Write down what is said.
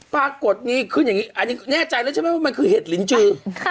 ปรากฏนี่ขึ้นอย่างนี้อันนี้แน่ใจแล้วใช่ไหมว่ามันคือเห็ดลินจือ